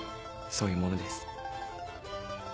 そういうものです。